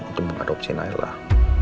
untuk mengadopsi nailah